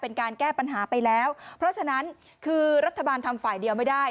เป็นการแก้ปัญหาไปแล้วเพราะฉะนั้นคือรัฐบาลทำฝ่ายเดียวไม่ได้